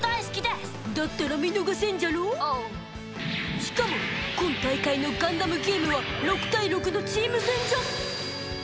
しかも今大会のガンダムゲームは６対６のチーム戦じゃ！